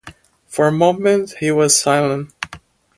For a moment he was silent.